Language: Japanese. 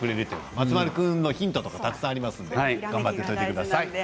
松丸君のヒントとかたくさんありますので頑張ってください。